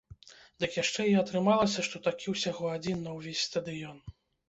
Дык яшчэ і атрымалася, што такі ўсяго адзін на ўвесь стадыён!